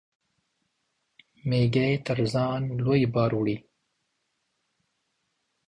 مېږى تر ځان لوى بار وړي.